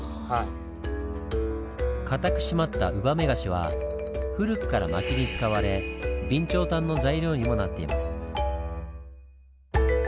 堅く締まったウバメガシは古くから薪に使われ備長炭の材料にもなっています。